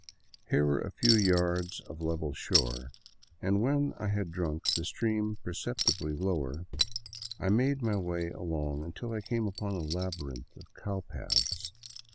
Here were a few yards of level shore, and when I had drunk the stream perceptibly lower, I made my way along until I came upon a labyrinth of cow paths.